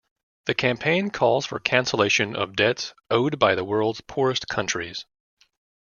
The campaign calls for cancellation of debts owed by the world's poorest countries.